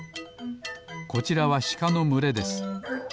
こちらはしかのむれです。